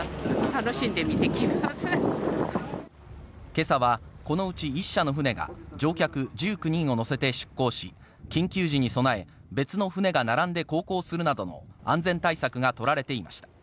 今朝はこのうち１社の船が乗客１９人を乗せて出航し、緊急時に備え、別の船が並んで航行するなどの安全対策が取られていました。